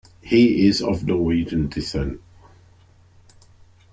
He is of Norwegian descent.